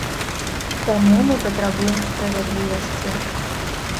Таму мы патрабуем справядлівасці.